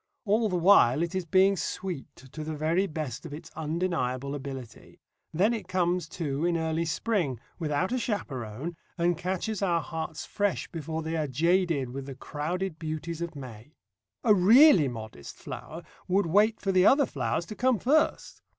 All the while it is being sweet, to the very best of its undeniable ability. Then it comes, too, in early spring, without a chaperon, and catches our hearts fresh before they are jaded with the crowded beauties of May. A really modest flower would wait for the other flowers to come first.